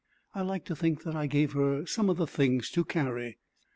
I like to think that I gave her some of the things to carry.